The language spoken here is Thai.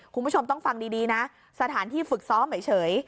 คุณผู้ชมต้องฟังดีนะสถานที่ฝึกซ้อมเฉย